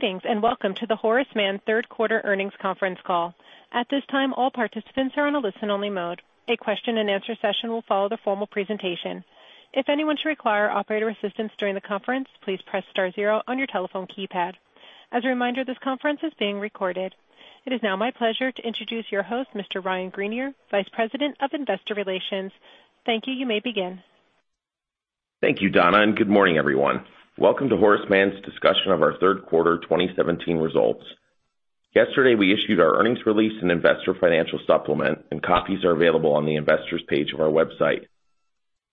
Greetings, welcome to the Horace Mann third quarter earnings conference call. At this time, all participants are on a listen-only mode. A question and answer session will follow the formal presentation. If anyone should require operator assistance during the conference, please press star zero on your telephone keypad. As a reminder, this conference is being recorded. It is now my pleasure to introduce your host, Mr. Ryan Greenier, Vice President of Investor Relations. Thank you. You may begin. Thank you, Donna, good morning, everyone. Welcome to Horace Mann's discussion of our third quarter 2017 results. Yesterday, we issued our earnings release and investor financial supplement, copies are available on the investors page of our website.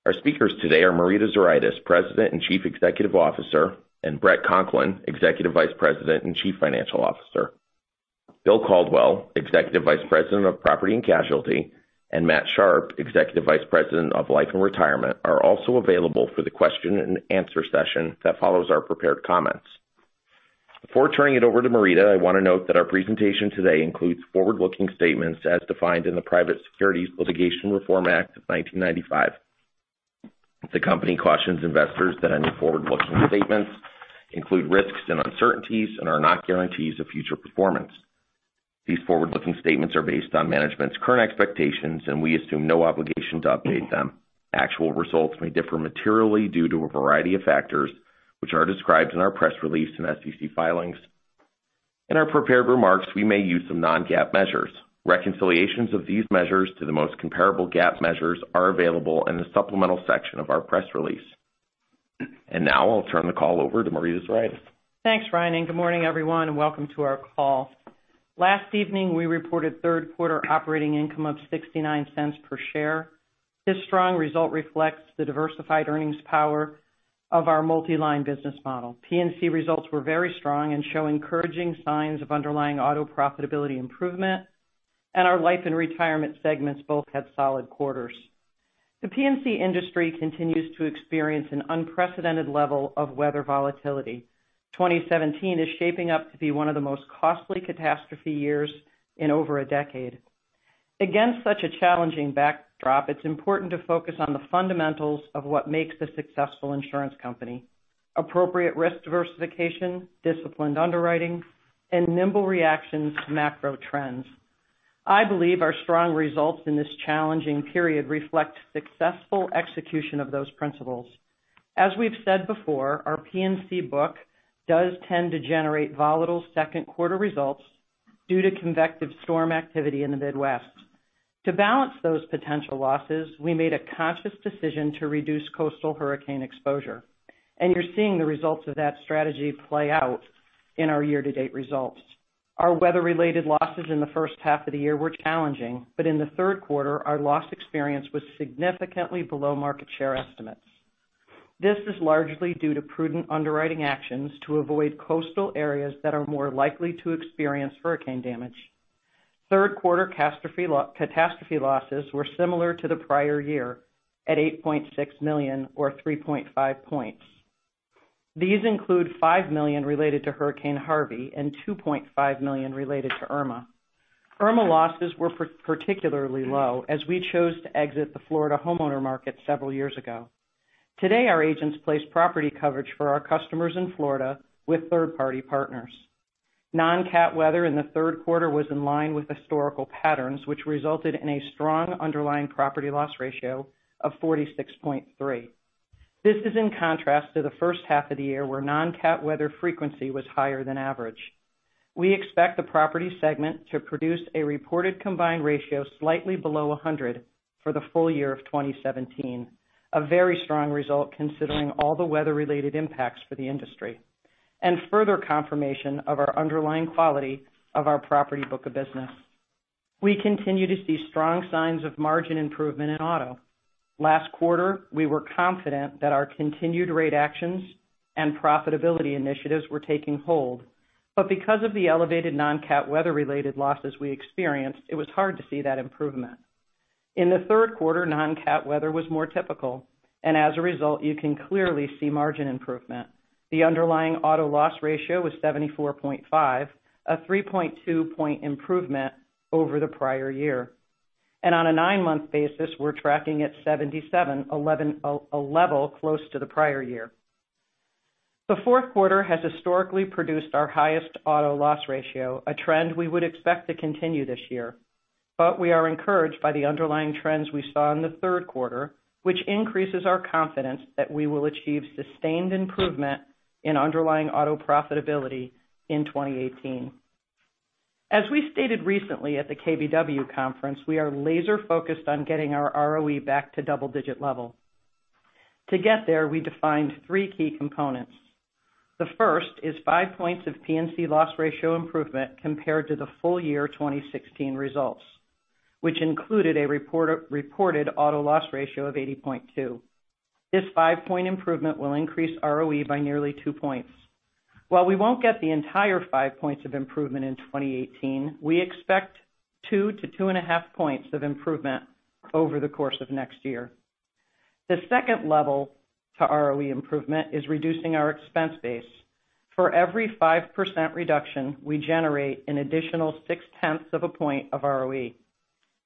Our speakers today are Marita Zuraitis, President and Chief Executive Officer, Bret Conklin, Executive Vice President and Chief Financial Officer. Bill Caldwell, Executive Vice President of Property and Casualty, and Matt Sharpe, Executive Vice President of Life and Retirement, are also available for the question and answer session that follows our prepared comments. Before turning it over to Marita, I want to note that our presentation today includes forward-looking statements as defined in the Private Securities Litigation Reform Act of 1995. The company cautions investors that any forward-looking statements include risks and uncertainties and are not guarantees of future performance. These forward-looking statements are based on management's current expectations, we assume no obligation to update them. Actual results may differ materially due to a variety of factors, which are described in our press release and SEC filings. In our prepared remarks, we may use some non-GAAP measures. Reconciliations of these measures to the most comparable GAAP measures are available in the supplemental section of our press release. Now I'll turn the call over to Marita Zuraitis. Thanks, Ryan, good morning, everyone, welcome to our call. Last evening, we reported third quarter operating income of $0.69 per share. This strong result reflects the diversified earnings power of our multi-line business model. P&C results were very strong and show encouraging signs of underlying auto profitability improvement, and our life and retirement segments both had solid quarters. The P&C industry continues to experience an unprecedented level of weather volatility. 2017 is shaping up to be one of the most costly catastrophe years in over a decade. Against such a challenging backdrop, it's important to focus on the fundamentals of what makes a successful insurance company. Appropriate risk diversification, disciplined underwriting, nimble reactions to macro trends. I believe our strong results in this challenging period reflect successful execution of those principles. As we've said before, our P&C book does tend to generate volatile second quarter results due to convective storm activity in the Midwest. To balance those potential losses, we made a conscious decision to reduce coastal hurricane exposure, and you're seeing the results of that strategy play out in our year-to-date results. Our weather-related losses in the first half of the year were challenging, but in the third quarter, our loss experience was significantly below market share estimates. This is largely due to prudent underwriting actions to avoid coastal areas that are more likely to experience hurricane damage. Third quarter catastrophe losses were similar to the prior year at $8.6 million or 3.5 points. These include $5 million related to Hurricane Harvey and $2.5 million related to Irma. Irma losses were particularly low as we chose to exit the Florida homeowner market several years ago. Today, our agents place property coverage for our customers in Florida with third-party partners. Non-cat weather in the third quarter was in line with historical patterns, which resulted in a strong underlying property loss ratio of 46.3%. This is in contrast to the first half of the year, where non-cat weather frequency was higher than average. We expect the property segment to produce a reported combined ratio slightly below 100 for the full year of 2017, a very strong result considering all the weather-related impacts for the industry and further confirmation of our underlying quality of our property book of business. We continue to see strong signs of margin improvement in auto. Last quarter, we were confident that our continued rate actions and profitability initiatives were taking hold, but because of the elevated non-cat weather-related losses we experienced, it was hard to see that improvement. In the third quarter, non-cat weather was more typical, and as a result, you can clearly see margin improvement. The underlying auto loss ratio was 74.5%, a 3.2 point improvement over the prior year. On a nine-month basis, we're tracking at 77%, a level close to the prior year. The fourth quarter has historically produced our highest auto loss ratio, a trend we would expect to continue this year. We are encouraged by the underlying trends we saw in the third quarter, which increases our confidence that we will achieve sustained improvement in underlying auto profitability in 2018. As we stated recently at the KBW conference, we are laser-focused on getting our ROE back to double-digit level. To get there, we defined three key components. The first is 5 points of P&C loss ratio improvement compared to the full year 2016 results, which included a reported auto loss ratio of 80.2%. This 5-point improvement will increase ROE by nearly 2 points. While we won't get the entire 5 points of improvement in 2018, we expect 2 to 2.5 points of improvement over the course of next year. The second level to ROE improvement is reducing our expense base. For every 5% reduction, we generate an additional 0.6 of a point of ROE.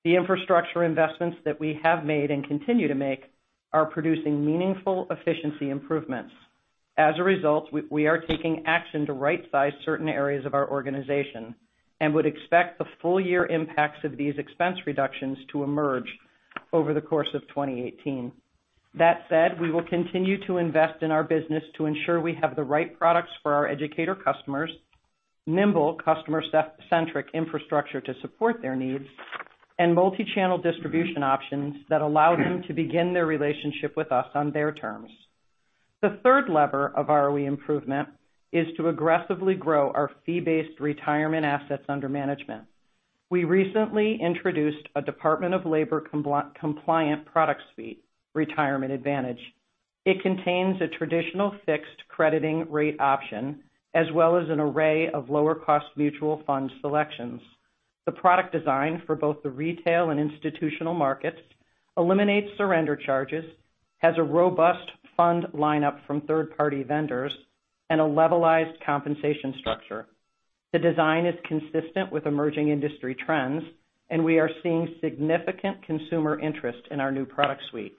The infrastructure investments that we have made and continue to make are producing meaningful efficiency improvements. As a result, we are taking action to right size certain areas of our organization and would expect the full year impacts of these expense reductions to emerge over the course of 2018. That said, we will continue to invest in our business to ensure we have the right products for our educator customers, nimble customer-centric infrastructure to support their needs, and multi-channel distribution options that allow them to begin their relationship with us on their terms. The third lever of ROE improvement is to aggressively grow our fee-based retirement assets under management. We recently introduced a Department of Labor compliant product suite, Retirement Advantage. It contains a traditional fixed crediting rate option, as well as an array of lower cost mutual fund selections. The product design for both the retail and institutional markets eliminates surrender charges, has a robust fund lineup from third-party vendors, and a levelized compensation structure. The design is consistent with emerging industry trends. We are seeing significant consumer interest in our new product suite.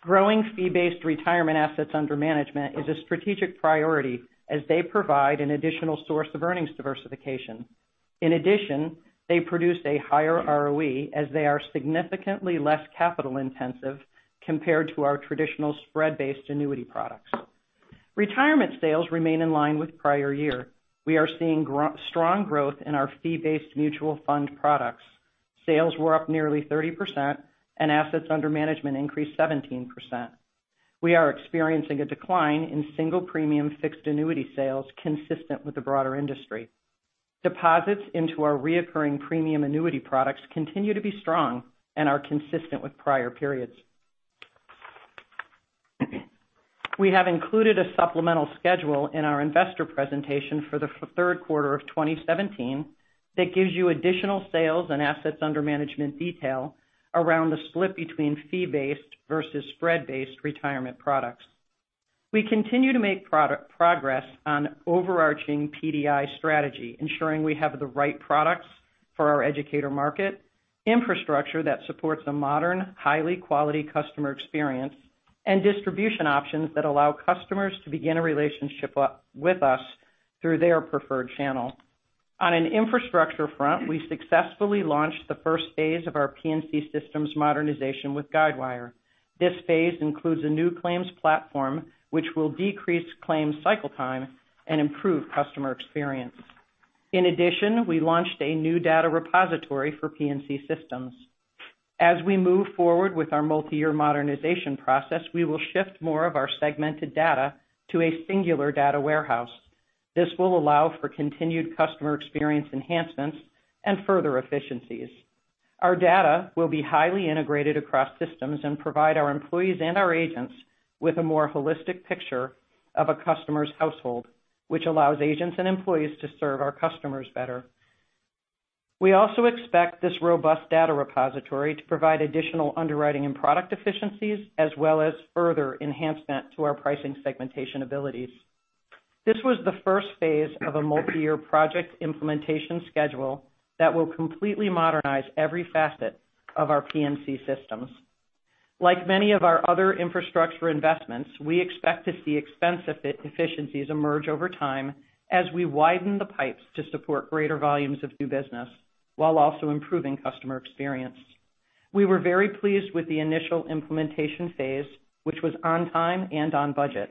Growing fee-based retirement assets under management is a strategic priority as they provide an additional source of earnings diversification. In addition, they produce a higher ROE as they are significantly less capital intensive compared to our traditional spread-based annuity products. Retirement sales remain in line with prior year. We are seeing strong growth in our fee-based mutual fund products. Sales were up nearly 30%, and assets under management increased 17%. We are experiencing a decline in single premium fixed annuity sales consistent with the broader industry. Deposits into our recurring premium annuity products continue to be strong and are consistent with prior periods. We have included a supplemental schedule in our investor presentation for the third quarter of 2017 that gives you additional sales and assets under management detail around the split between fee-based versus spread-based retirement products. We continue to make progress on overarching PDI strategy, ensuring we have the right products for our educator market, infrastructure that supports a modern, high-quality customer experience, and distribution options that allow customers to begin a relationship with us through their preferred channel. On an infrastructure front, we successfully launched the first phase of our P&C systems modernization with Guidewire. This phase includes a new claims platform, which will decrease claims cycle time and improve customer experience. In addition, we launched a new data repository for P&C systems. As we move forward with our multi-year modernization process, we will shift more of our segmented data to a singular data warehouse. This will allow for continued customer experience enhancements and further efficiencies. Our data will be highly integrated across systems and provide our employees and our agents with a more holistic picture of a customer's household, which allows agents and employees to serve our customers better. We also expect this robust data repository to provide additional underwriting and product efficiencies, as well as further enhancement to our pricing segmentation abilities. This was the first phase of a multi-year project implementation schedule that will completely modernize every facet of our P&C systems. Like many of our other infrastructure investments, we expect to see expense efficiencies emerge over time as we widen the pipes to support greater volumes of new business while also improving customer experience. We were very pleased with the initial implementation phase, which was on time and on budget.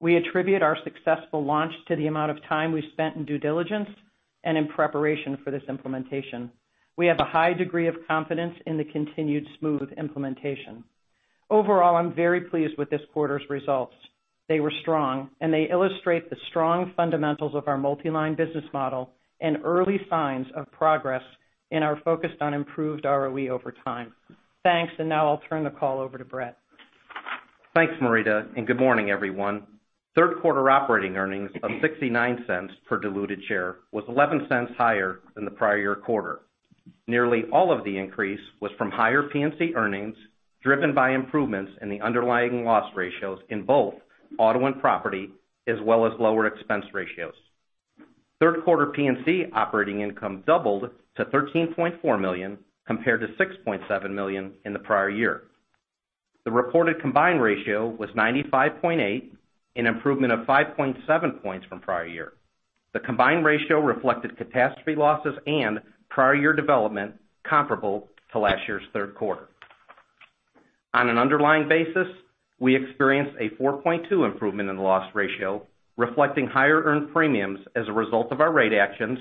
We attribute our successful launch to the amount of time we spent in due diligence and in preparation for this implementation. We have a high degree of confidence in the continued smooth implementation. Overall, I'm very pleased with this quarter's results. They were strong, and they illustrate the strong fundamentals of our multi-line business model and early signs of progress in our focus on improved ROE over time. Thanks. Now I'll turn the call over to Bret. Thanks, Marita. Good morning, everyone. Third quarter operating earnings of $0.69 per diluted share was $0.11 higher than the prior year quarter. Nearly all of the increase was from higher P&C earnings, driven by improvements in the underlying loss ratios in both auto and property, as well as lower expense ratios. Third quarter P&C operating income doubled to $13.4 million compared to $6.7 million in the prior year. The reported combined ratio was 95.8%, an improvement of 5.7 points from prior year. The combined ratio reflected catastrophe losses and prior year development comparable to last year's third quarter. On an underlying basis, we experienced a 4.2 improvement in the loss ratio, reflecting higher earned premiums as a result of our rate actions,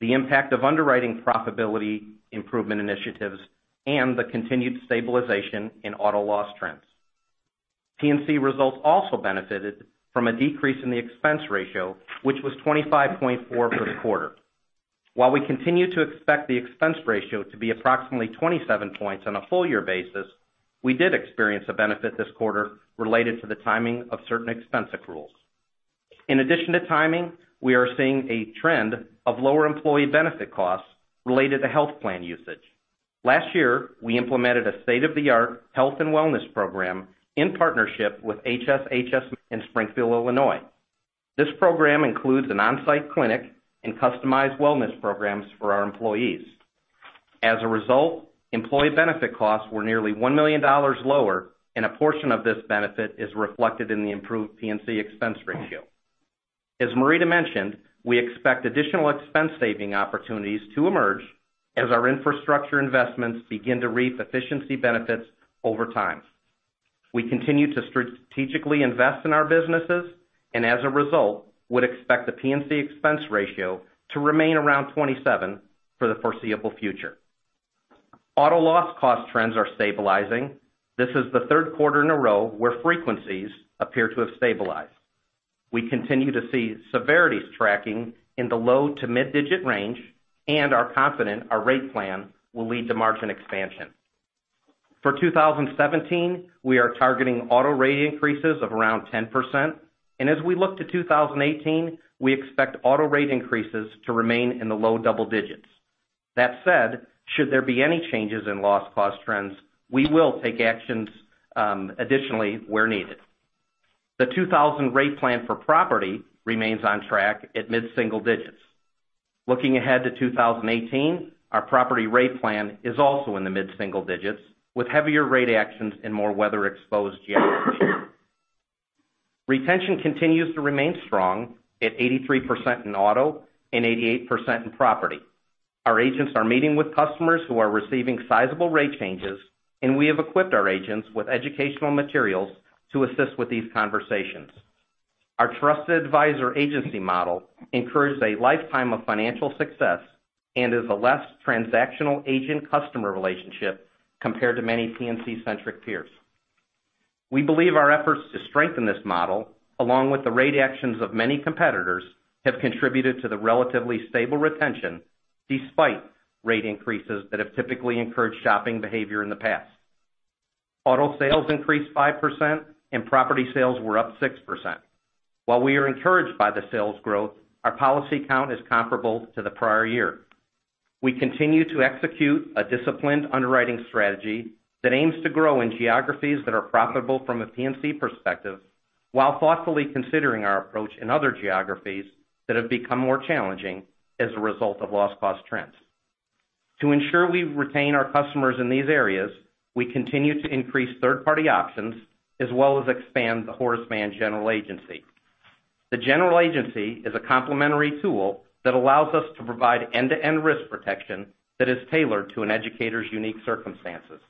the impact of underwriting profitability improvement initiatives, and the continued stabilization in auto loss trends. P&C results also benefited from a decrease in the expense ratio, which was 25.4% for the quarter. While we continue to expect the expense ratio to be approximately 27 points on a full year basis, we did experience a benefit this quarter related to the timing of certain expense accruals. In addition to timing, we are seeing a trend of lower employee benefit costs related to health plan usage. Last year, we implemented a state-of-the-art health and wellness program in partnership with HSHS in Springfield, Illinois. This program includes an on-site clinic and customized wellness programs for our employees. As a result, employee benefit costs were nearly $1 million lower, and a portion of this benefit is reflected in the improved P&C expense ratio. As Marita mentioned, we expect additional expense saving opportunities to emerge as our infrastructure investments begin to reap efficiency benefits over time. We continue to strategically invest in our businesses. As a result, would expect the P&C expense ratio to remain around 27% for the foreseeable future. Auto loss cost trends are stabilizing. This is the third quarter in a row where frequencies appear to have stabilized. We continue to see severities tracking in the low to mid-digit range, and are confident our rate plan will lead to margin expansion. For 2017, we are targeting auto rate increases of around 10%. As we look to 2018, we expect auto rate increases to remain in the low double digits. That said, should there be any changes in loss cost trends, we will take actions additionally where needed. The 2000 rate plan for property remains on track at mid-single digits. Looking ahead to 2018, our property rate plan is also in the mid-single digits, with heavier rate actions in more weather-exposed geographies. Retention continues to remain strong at 83% in auto and 88% in property. Our agents are meeting with customers who are receiving sizable rate changes, and we have equipped our agents with educational materials to assist with these conversations. Our trusted advisor agency model encourages a lifetime of financial success and is a less transactional agent-customer relationship compared to many P&C-centric peers. We believe our efforts to strengthen this model, along with the rate actions of many competitors, have contributed to the relatively stable retention despite rate increases that have typically encouraged shopping behavior in the past. Auto sales increased 5%, and property sales were up 6%. While we are encouraged by the sales growth, our policy count is comparable to the prior year. We continue to execute a disciplined underwriting strategy that aims to grow in geographies that are profitable from a P&C perspective, while thoughtfully considering our approach in other geographies that have become more challenging as a result of loss cost trends. To ensure we retain our customers in these areas, we continue to increase third-party options as well as expand the Horace Mann General Agency. The general agency is a complementary tool that allows us to provide end-to-end risk protection that is tailored to an educator's unique circumstances.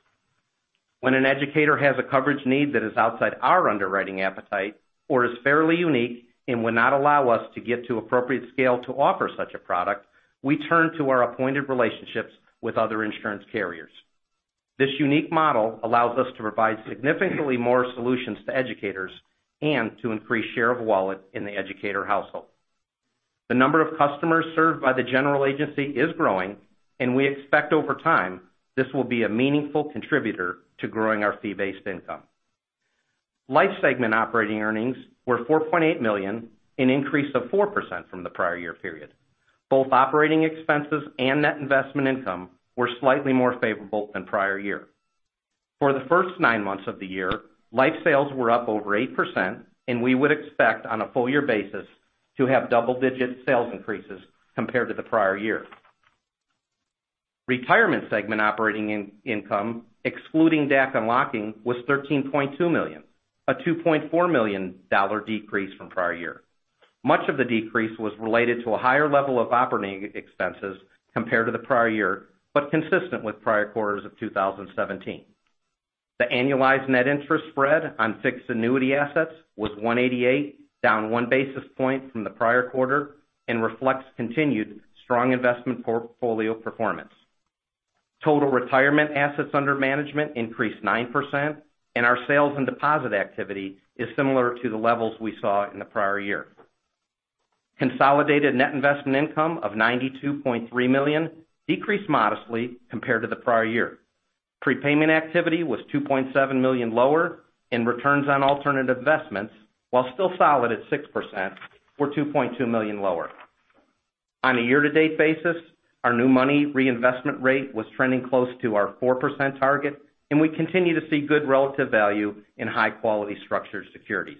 When an educator has a coverage need that is outside our underwriting appetite or is fairly unique and would not allow us to get to appropriate scale to offer such a product, we turn to our appointed relationships with other insurance carriers. This unique model allows us to provide significantly more solutions to educators and to increase share of wallet in the educator household. The number of customers served by the general agency is growing. We expect over time, this will be a meaningful contributor to growing our fee-based income. Life segment operating earnings were $4.8 million, an increase of 4% from the prior year period. Both operating expenses and net investment income were slightly more favorable than prior year. For the first nine months of the year, life sales were up over 8%. We would expect on a full year basis to have double-digit sales increases compared to the prior year. Retirement segment operating income, excluding DAC unlocking, was $13.2 million, a $2.4 million decrease from prior year. Much of the decrease was related to a higher level of operating expenses compared to the prior year, consistent with prior quarters of 2017. The annualized net interest spread on fixed annuity assets was 188, down one basis point from the prior quarter and reflects continued strong investment portfolio performance. Total retirement assets under management increased 9%. Our sales and deposit activity is similar to the levels we saw in the prior year. Consolidated net investment income of $92.3 million decreased modestly compared to the prior year. Prepayment activity was $2.7 million lower. Returns on alternative investments, while still solid at 6%, were $2.2 million lower. On a year-to-date basis, our new money reinvestment rate was trending close to our 4% target. We continue to see good relative value in high-quality structured securities.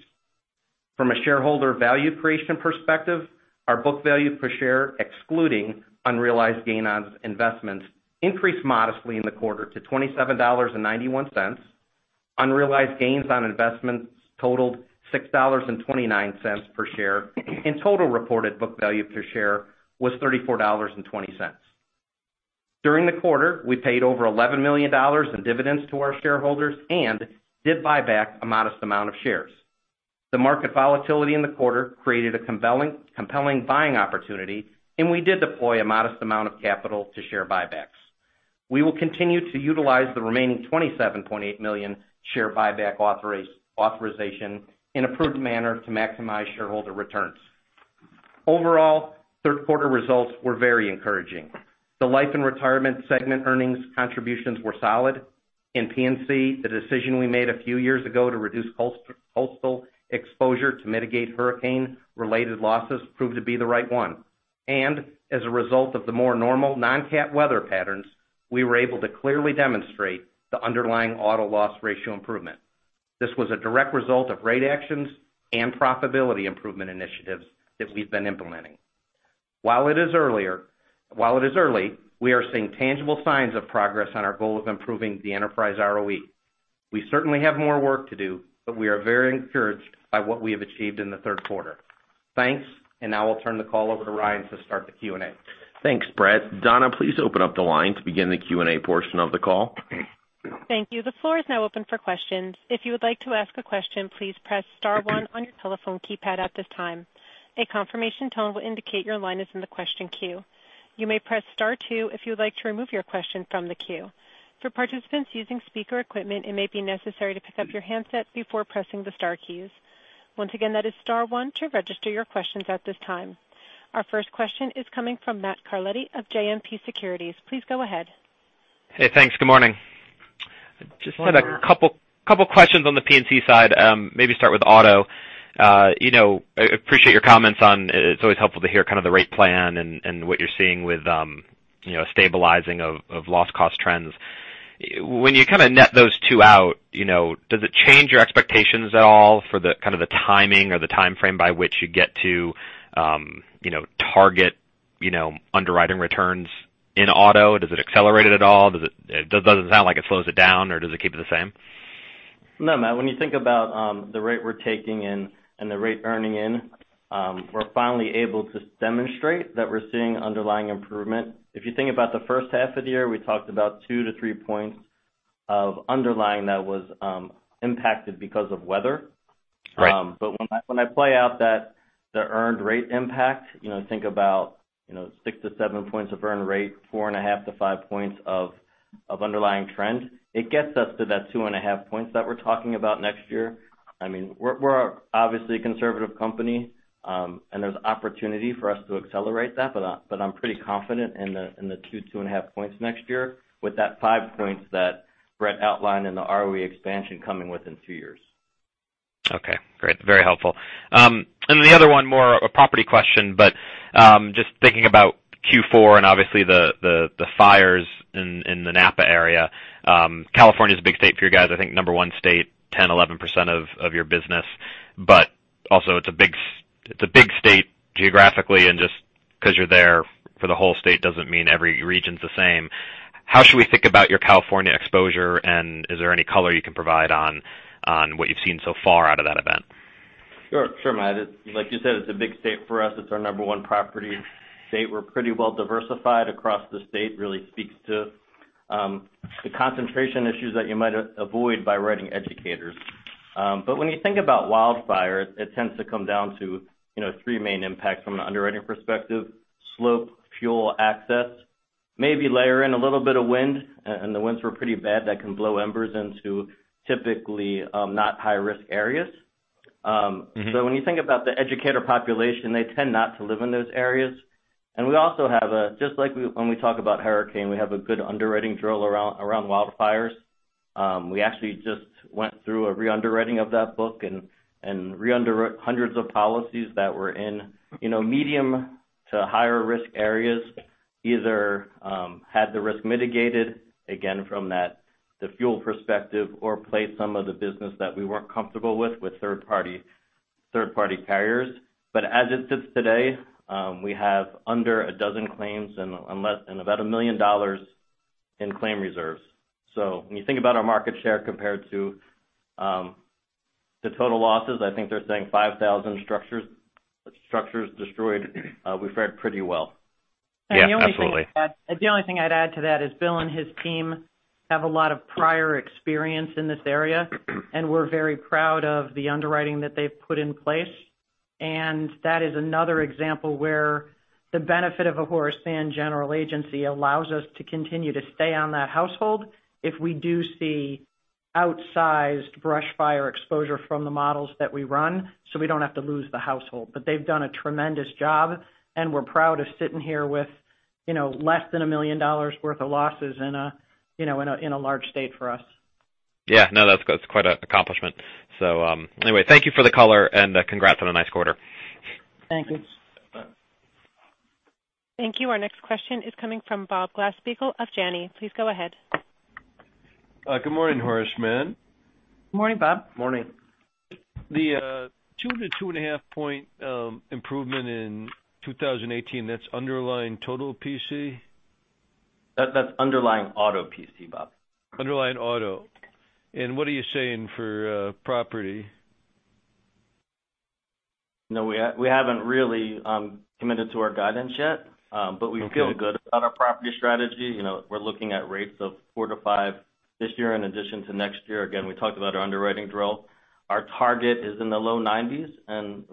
From a shareholder value creation perspective, our book value per share, excluding unrealized gain on investments, increased modestly in the quarter to $27.91. Unrealized gains on investments totaled $6.29 per share, and total reported book value per share was $34.20. During the quarter, we paid over $11 million in dividends to our shareholders and did buy back a modest amount of shares. The market volatility in the quarter created a compelling buying opportunity, and we did deploy a modest amount of capital to share buybacks. We will continue to utilize the remaining 27.8 million share buyback authorization in approved manner to maximize shareholder returns. Overall, third quarter results were very encouraging. The life and retirement segment earnings contributions were solid. In P&C, the decision we made a few years ago to reduce coastal exposure to mitigate hurricane-related losses proved to be the right one. As a result of the more normal non-cat weather patterns, we were able to clearly demonstrate the underlying auto loss ratio improvement. This was a direct result of rate actions and profitability improvement initiatives that we've been implementing. While it is early, we are seeing tangible signs of progress on our goal of improving the enterprise ROE. We certainly have more work to do, but we are very encouraged by what we have achieved in the third quarter. Thanks, and now I'll turn the call over to Ryan to start the Q&A. Thanks, Bret. Donna, please open up the line to begin the Q&A portion of the call. Thank you. The floor is now open for questions. If you would like to ask a question, please press star one on your telephone keypad at this time. A confirmation tone will indicate your line is in the question queue. You may press star two if you would like to remove your question from the queue. For participants using speaker equipment, it may be necessary to pick up your handset before pressing the star keys. Once again, that is star one to register your questions at this time. Our first question is coming from Matthew Carletti of JMP Securities. Please go ahead. Hey, thanks. Good morning. Good morning. Just had a couple questions on the P&C side, maybe start with auto. I appreciate your comments on, it's always helpful to hear the rate plan and what you're seeing with stabilizing of loss cost trends. When you net those two out, does it change your expectations at all for the timing or the timeframe by which you get to target underwriting returns in auto? Does it accelerate it at all? Does it sound like it slows it down, or does it keep it the same? No, Matt, when you think about the rate we're taking in and the rate earning in, we're finally able to demonstrate that we're seeing underlying improvement. If you think about the first half of the year, we talked about two to three points of underlying that was impacted because of weather. Right. When I play out the earned rate impact, think about 6 to 7 points of earned rate, 4.5 to 5 points of underlying trend. It gets us to that 2.5 points that we're talking about next year. We're obviously a conservative company, and there's opportunity for us to accelerate that, but I'm pretty confident in the 2.5 points next year with that 5 points that Bret outlined in the ROE expansion coming within 2 years. Okay, great. Very helpful. The other one more, a property question, just thinking about Q4 and obviously the fires in the Napa area. California is a big state for you guys. I think number 1 state, 10%-11% of your business, but also it's a big state geographically and just because you're there for the whole state doesn't mean every region's the same. How should we think about your California exposure, and is there any color you can provide on what you've seen so far out of that event? Sure, Matt. Like you said, it's a big state for us. It's our number 1 property state. We're pretty well diversified across the state. Really speaks to the concentration issues that you might avoid by writing educators. When you think about wildfire, it tends to come down to 3 main impacts from an underwriting perspective, slope, fuel, access, maybe layer in a little bit of wind, and the winds were pretty bad, that can blow embers into typically not high-risk areas. When you think about the educator population, they tend not to live in those areas. We also have a, just like when we talk about hurricane, we have a good underwriting drill around wildfires. We actually just went through a re-underwriting of that book and re-underwrote hundreds of policies that were in medium to higher risk areas, either had the risk mitigated, again, from the fuel perspective, or placed some of the business that we weren't comfortable with third-party carriers. As it sits today, we have under a dozen claims and about $1 million in claim reserves. When you think about our market share compared to the total losses, I think they're saying 5,000 structures destroyed, we fared pretty well. Yeah, absolutely. The only thing I'd add to that is Bill and his team have a lot of prior experience in this area, and we're very proud of the underwriting that they've put in place. That is another example where the benefit of a Horace Mann General Agency allows us to continue to stay on that household if we do see outsized brush fire exposure from the models that we run, so we don't have to lose the household. They've done a tremendous job, and we're proud of sitting here with less than $1 million worth of losses in a large state for us. Yeah, no, that's quite an accomplishment. Anyway, thank you for the color and congrats on a nice quarter. Thank you. Thank you. Our next question is coming from Bob Glasspiegel of Janney. Please go ahead. Good morning, Horace Mann. Morning, Bob. Morning. The 2-2.5 point improvement in 2018, that's underlying total P&C? That's underlying auto P&C, Bob. Underlying auto. What are you saying for property? No, we haven't really committed to our guidance yet. Okay. We feel good about our property strategy. We're looking at rates of 4%-5% this year in addition to next year. Again, we talked about our underwriting drill. Our target is in the low nineties, and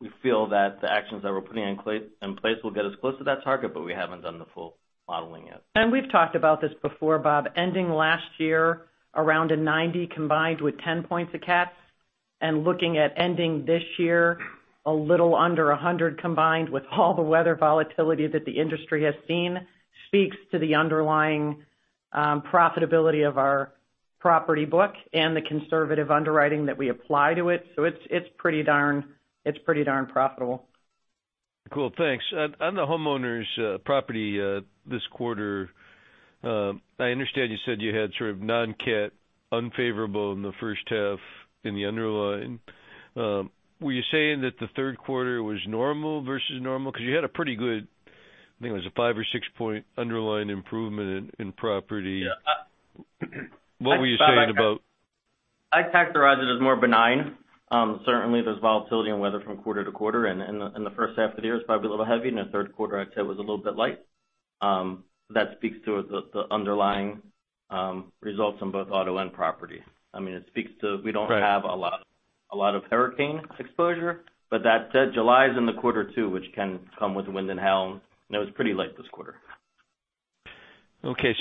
we feel that the actions that we're putting in place will get us close to that target, but we haven't done the full modeling yet. We've talked about this before, Bob. Ending last year around a 90 combined with 10 points of cats, and looking at ending this year a little under 100 combined with all the weather volatility that the industry has seen speaks to the underlying. The profitability of our property book and the conservative underwriting that we apply to it. It's pretty darn profitable. Cool, thanks. On the homeowners property this quarter, I understand you said you had sort of non-cat unfavorable in the first half in the underlying. Were you saying that the third quarter was normal versus normal? You had a pretty good, I think it was a 5 or 6-point underlying improvement in property. Yeah. What were you saying about? I'd characterize it as more benign. Certainly, there's volatility in weather from quarter to quarter, and the first half of the year is probably a little heavy, and the third quarter, I'd say, was a little bit light. That speaks to the underlying results on both auto and property. It speaks to. Right We don't have a lot of hurricane exposure. That said, July is in the quarter, too which can come with wind and hail, and it was pretty light this quarter. Okay.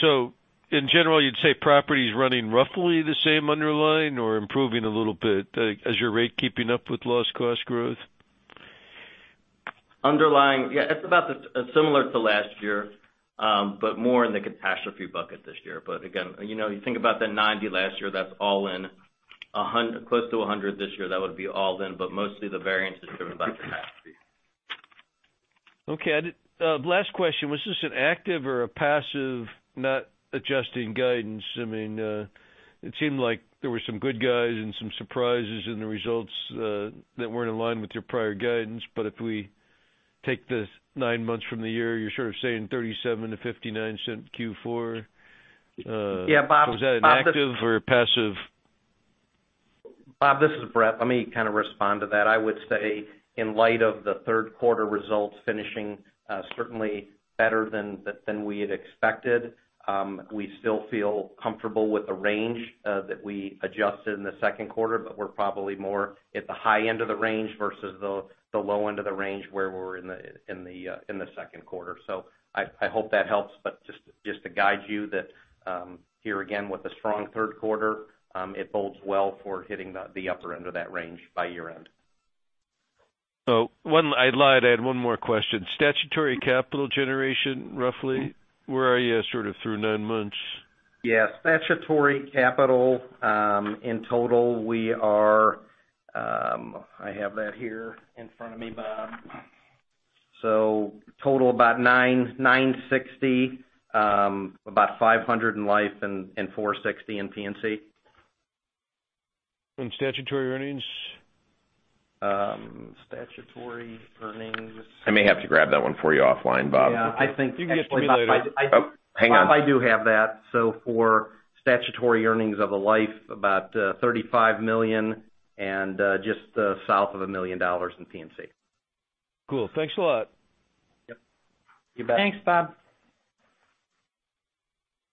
In general, you'd say property's running roughly the same underlying or improving a little bit. Is your rate keeping up with loss cost growth? Underlying. Yes, it's about similar to last year, more in the catastrophe bucket this year. Again, you think about the $90 last year, that's all in. Close to $100 this year, that would be all in, but mostly the variance is driven by catastrophe. Okay. Last question. Was this an active or a passive, not adjusting guidance? It seemed like there were some good guys and some surprises in the results that weren't aligned with your prior guidance. If we take the nine months from the year, you're sort of saying $0.37-$0.59 Q4. Yeah, Bob. Was that an active or a passive? Bob, this is Bret. Let me kind of respond to that. I would say in light of the third quarter results finishing certainly better than we had expected, we still feel comfortable with the range that we adjusted in the second quarter, but we're probably more at the high end of the range versus the low end of the range where we were in the second quarter. I hope that helps, but just to guide you that, here again, with a strong third quarter, it bodes well for hitting the upper end of that range by year-end. I lied, I had one more question. Statutory capital generation, roughly, where are you sort of through nine months? Yeah. Statutory capital, in total, I have that here in front of me, Bob Glasspiegel. Total, about $960. About $500 in life and $460 in P&C. Statutory earnings? Statutory earnings. I may have to grab that one for you offline, Bob Glasspiegel. Yeah. I think actually You can get to me later. Oh, hang on. Bob, I do have that. For statutory earnings of the life, about $35 million and just south of $1 million in P&C. Cool. Thanks a lot. Yep. You bet. Thanks, Bob.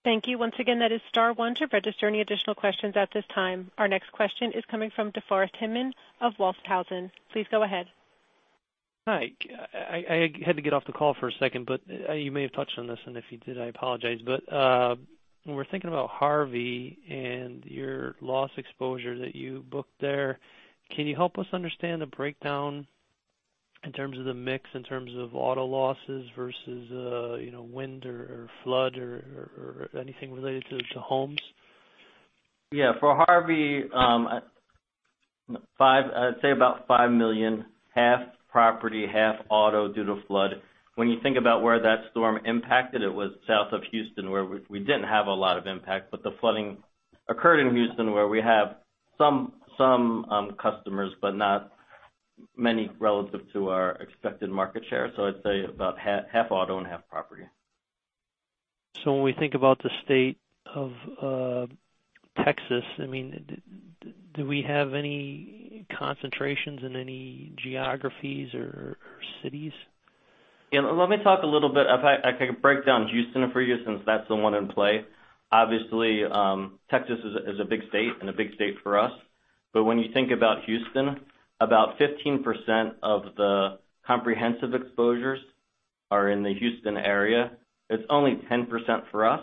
Thank you. Once again, that is star one to register any additional questions at this time. Our next question is coming from DeForest Hinman of Walthausen. Please go ahead. Hi. I had to get off the call for a second, you may have touched on this, and if you did, I apologize. When we're thinking about Hurricane Harvey and your loss exposure that you booked there, can you help us understand the breakdown in terms of the mix, in terms of auto losses versus wind or flood or anything related to homes? Yeah. For Hurricane Harvey, I'd say about $5 million, half property, half auto due to flood. When you think about where that storm impacted, it was south of Houston, where we didn't have a lot of impact, the flooding occurred in Houston, where we have some customers, but not many relative to our expected market share. I'd say about half auto and half property. When we think about the state of Texas, do we have any concentrations in any geographies or cities? Yeah. Let me talk a little bit. I can break down Houston for you, since that's the one in play. Obviously, Texas is a big state and a big state for us. When you think about Houston, about 15% of the comprehensive exposures are in the Houston area. It's only 10% for us.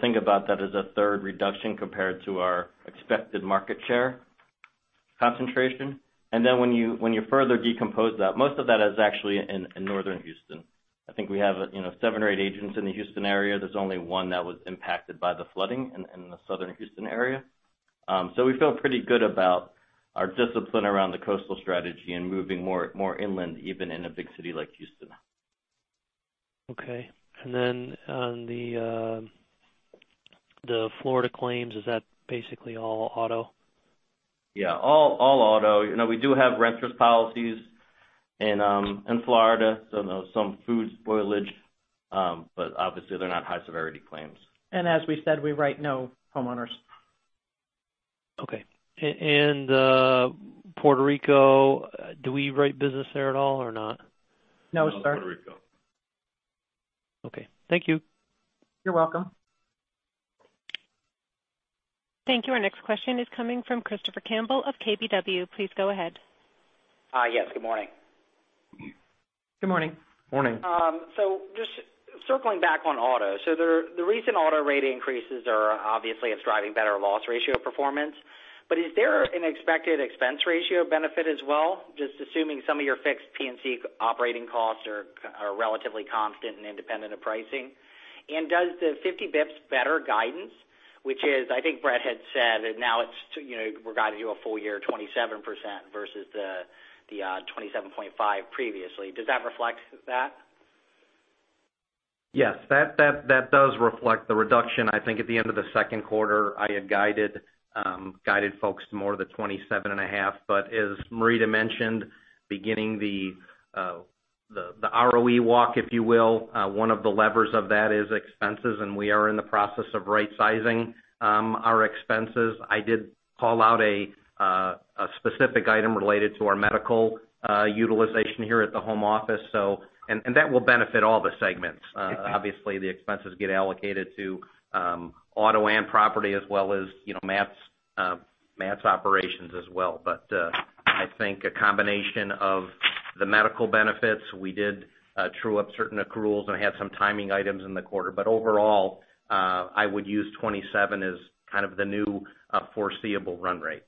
Think about that as a third reduction compared to our expected market share concentration. When you further decompose that, most of that is actually in Northern Houston. I think we have seven or eight agents in the Houston area. There's only one that was impacted by the flooding in the Southern Houston area. We feel pretty good about our discipline around the coastal strategy and moving more inland, even in a big city like Houston. Okay. Then on the Florida claims, is that basically all auto? Yeah, all auto. We do have renters policies in Florida, so some food spoilage. Obviously they're not high-severity claims. As we said, we write no homeowners. Okay. Puerto Rico, do we write business there at all or not? No, sir. No Puerto Rico. Okay. Thank you. You're welcome. Thank you. Our next question is coming from Christopher Campbell of KBW. Please go ahead. Yes. Good morning. Good morning. Morning. Just circling back on auto. The recent auto rate increases are obviously it's driving better loss ratio performance. Is there an expected expense ratio benefit as well? Just assuming some of your fixed P&C operating costs are relatively constant and independent of pricing. Does the 50 basis points better guidance, which is, I think Bret had said that now it's regarding to a full year 27% versus the 27.5% previously. Does that reflect that? Yes. That does reflect the reduction. I think at the end of the second quarter, I had guided folks to more of the 27.5. As Marita mentioned, beginning the ROE walk, if you will, one of the levers of that is expenses, and we are in the process of right-sizing our expenses. I did call out a specific item related to our medical utilization here at the home office. That will benefit all the segments. Obviously, the expenses get allocated to auto and property as well as Matt's operations as well. I think a combination of the medical benefits, we did true up certain accruals and had some timing items in the quarter, but overall, I would use 27 as kind of the new foreseeable run rate.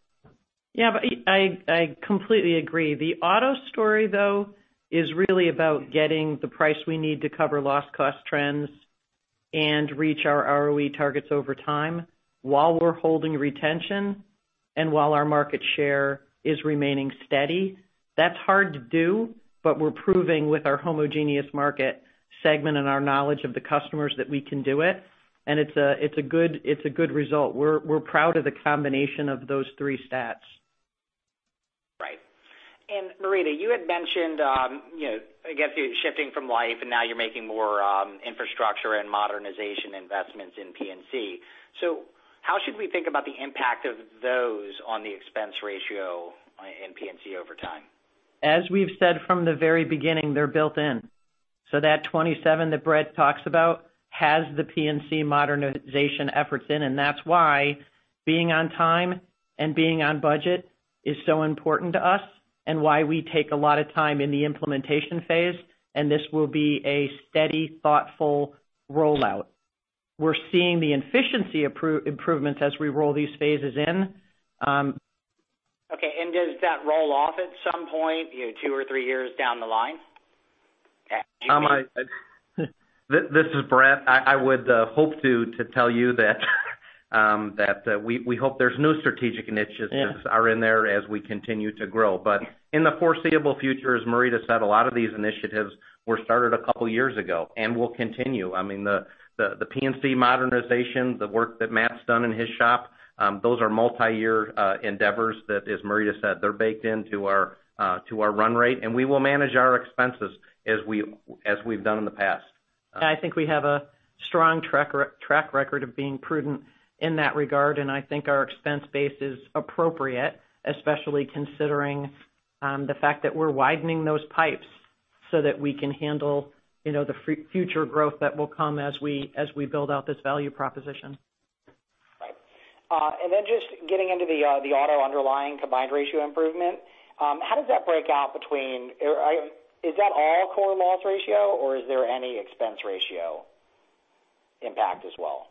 I completely agree. The auto story, though, is really about getting the price we need to cover loss cost trends and reach our ROE targets over time while we're holding retention and while our market share is remaining steady. That's hard to do, but we're proving with our homogeneous market segment and our knowledge of the customers that we can do it, and it's a good result. We're proud of the combination of those three stats. Right. Marita, you had mentioned, I guess, shifting from life, and now you're making more infrastructure and modernization investments in P&C. How should we think about the impact of those on the expense ratio in P&C over time? As we've said from the very beginning, they're built in. That 27 that Bret talks about has the P&C modernization efforts in, that's why being on time and being on budget is so important to us and why we take a lot of time in the implementation phase, and this will be a steady, thoughtful rollout. We're seeing the efficiency improvements as we roll these phases in. Does that roll off at some point, two or three years down the line? This is Bret. I would hope to tell you that we hope there's no strategic initiatives are in there as we continue to grow. In the foreseeable future, as Marita Zuraitis said, a lot of these initiatives were started a couple of years ago and will continue. I mean, the P&C modernization, the work that Matt's done in his shop, those are multi-year endeavors that, as Marita Zuraitis said, they're baked into our run rate, and we will manage our expenses as we've done in the past. I think we have a strong track record of being prudent in that regard, and I think our expense base is appropriate, especially considering the fact that we're widening those pipes so that we can handle the future growth that will come as we build out this value proposition. Right. Just getting into the auto underlying combined ratio improvement. How does that break out? Is that all core loss ratio or is there any expense ratio impact as well?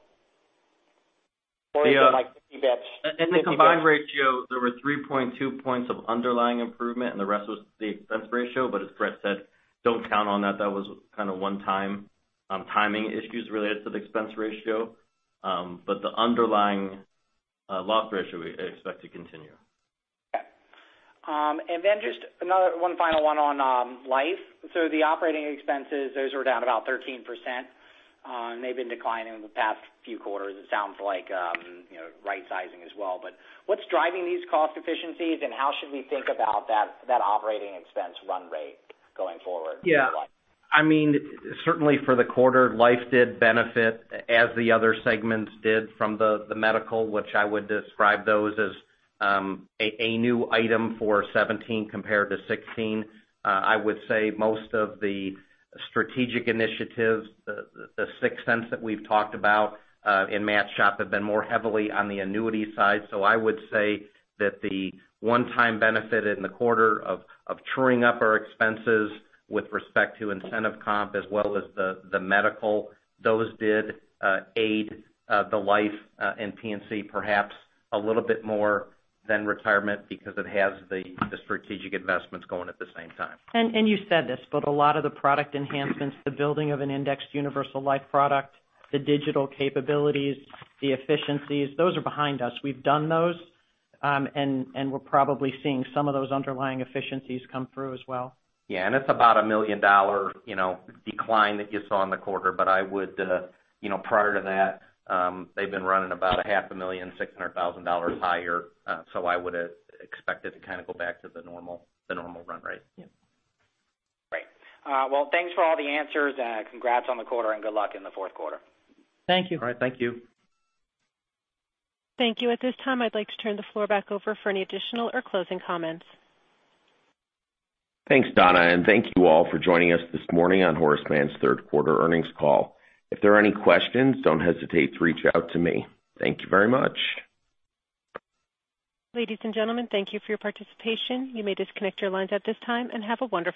Is it like 50 basis points? In the combined ratio, there were 3.2 points of underlying improvement, and the rest was the expense ratio. As Bret said, don't count on that. That was kind of one-time timing issues related to the expense ratio. The underlying loss ratio, we expect to continue. Okay. Just another one final one on Life. The operating expenses, those were down about 13%, and they've been declining over the past few quarters, it sounds like right-sizing as well. What's driving these cost efficiencies, and how should we think about that operating expense run rate going forward? Yeah. I mean, certainly for the quarter, Life did benefit as the other segments did from the medical, which I would describe those as a new item for 2017 compared to 2016. I would say most of the strategic initiatives, the sixth sense that we've talked about in Matt Sharpe's shop have been more heavily on the annuity side. I would say that the one-time benefit in the quarter of truing up our expenses with respect to incentive comp as well as the medical, those did aid the Life and P&C perhaps a little bit more than Retirement because it has the strategic investments going at the same time. You said this, a lot of the product enhancements, the building of an indexed universal life product, the digital capabilities, the efficiencies, those are behind us. We've done those. We're probably seeing some of those underlying efficiencies come through as well. It's about a $1 million decline that you saw in the quarter. Prior to that, they've been running about a half a million, $600,000 higher. I would expect it to kind of go back to the normal run rate. Yeah. Great. Well, thanks for all the answers. Congrats on the quarter, good luck in the fourth quarter. Thank you. All right. Thank you. Thank you. At this time, I'd like to turn the floor back over for any additional or closing comments. Thanks, Donna, and thank you all for joining us this morning on Horace Mann's third quarter earnings call. If there are any questions, don't hesitate to reach out to me. Thank you very much. Ladies and gentlemen, thank you for your participation. You may disconnect your lines at this time, and have a wonderful rest of your day.